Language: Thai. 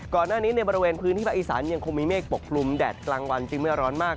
ก่อนหน้านี้ในบริเวณพื้นที่ภาคอีสานยังคงมีเมฆปกคลุมแดดกลางวันจึงไม่ร้อนมาก